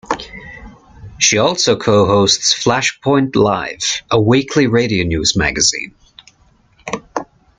She also co-hosts "Flashpoint Live", a weekly radio news magazine.